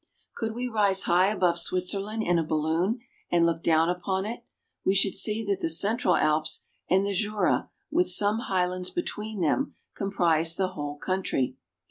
Could we rise high above Switzerland in a balloon and look down upon it, we should see that the Central Alps and the Jura with some highlands between them comprise the whole country.